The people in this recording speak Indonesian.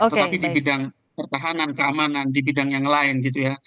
tetapi di bidang pertahanan keamanan di bidang yang lain gitu ya